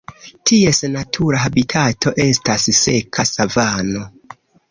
Ties natura habitato estas seka savano.